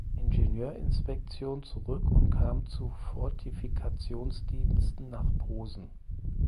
Ingenieurinspektion zurück und kam zu Fortifikationsdiensten nach Posen.